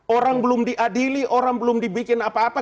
orang belum diadili orang belum dibikin apa apa